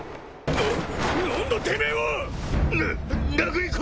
なっ！？